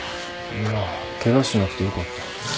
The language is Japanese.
いやケガしなくてよかった。